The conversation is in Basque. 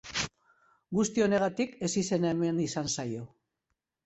Guzti honegatik ezizena eman izan zaio.